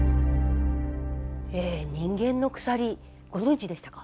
人間の鎖ご存じでしたか？